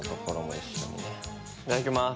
いただきます。